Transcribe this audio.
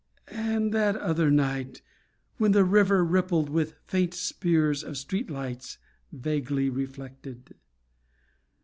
And that other night, When the river rippled with faint spears Of street lights vaguely reflected.